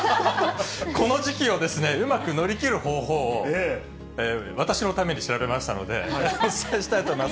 この時期をうまく乗り切る方法を私のために調べましたので、お伝えしたいと思います。